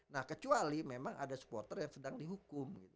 nah kecuali memang ada supporter yang sedang dihukum